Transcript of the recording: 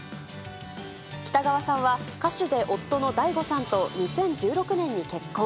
北川さんは歌手で夫のＤＡＩＧＯさんと２０１６年に結婚。